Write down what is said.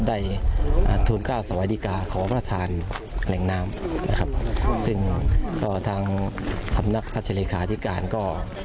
ได้ทูลกล้าวสวัสดิกาขอพระทานแหล่งน้ำนะครับซึ่งก็ทางสำนักพระชเลขาธิการก็